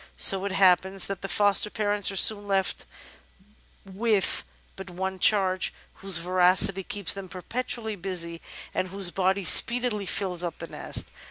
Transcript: So it happens that the foster parents are soon left with but one charge, whose voracity keeps them perpetually busy and whose body speedily fills up the nest.